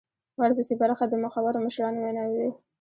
ورپسې برخه د مخورو مشرانو ویناوي وې.